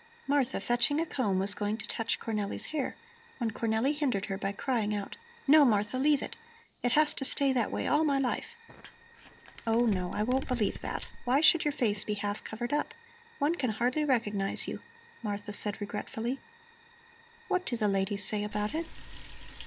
Martha, fetching a comb, was going to touch Cornelli's hair, when Cornelli hindered her by crying out: "No, Martha, leave it! It has to stay that way all my life." "Oh, no, I won't believe that. Why should your face be half covered up? One can hardly recognize you," Martha said regretfully. "What do the ladies say about it?"